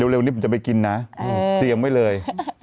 เร็วนี้ผมจะไปกินนะเตรียมไว้เลย